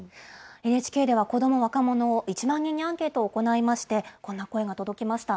ＮＨＫでは、子ども、若者１万人にアンケートを行いまして、こんな声が届きました。